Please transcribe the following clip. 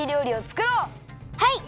はい！